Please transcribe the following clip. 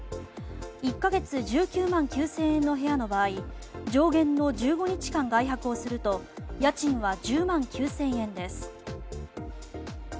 １か月１９万９０００円の部屋の場合上限の１５日間外泊をすると家賃は１０万９０００円です。